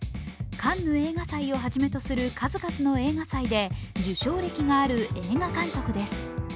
カンヌ映画祭をはじめとする数々の映画祭で受賞歴がある映画監督です。